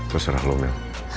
terserah lo mel